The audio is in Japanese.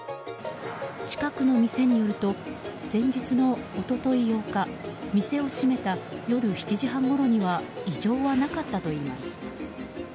近くの店によると前日の一昨日８日店を閉めた夜７時半ごろには異常はなかったといいます。